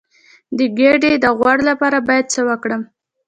د ګیډې د غوړ لپاره باید څه وکړم؟